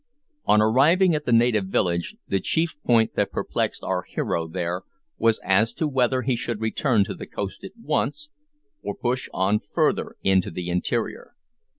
On arriving at the native village, the chief point that perplexed our hero there was as to whether he should return to the coast at once, or push on further into the interior.